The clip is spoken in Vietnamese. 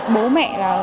bố mẹ là